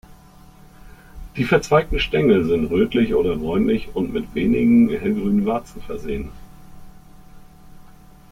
Die verzweigten Stängel sind rötlich oder bräunlich und mit wenigen hellgrünen Warzen versehen.